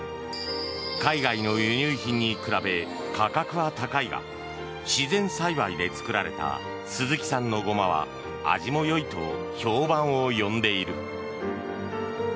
海外の輸入品に比べ価格は高いが自然栽培で作られた鈴木さんのゴマは味もよいと評判を呼んでいる。